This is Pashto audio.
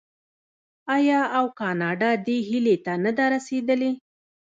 آیا او کاناډا دې هیلې ته نه ده رسیدلې؟